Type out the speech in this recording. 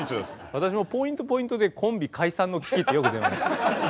私もポイントポイントでコンビ解散の危機ってよく出ます。